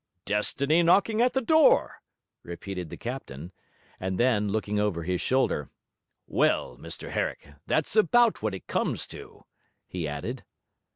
'Destiny knocking at the door,' repeated the captain; and then, looking over his shoulder. 'Well, Mr Herrick, that's about what it comes to,' he added.